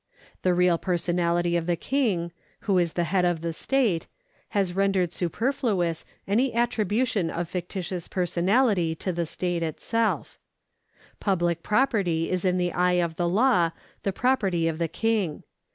The real personality of the King, who is the head of the state, has rendered superfluous any attribution of fictitious personality to the state itself. Public property is in the eye of the law the property of the King.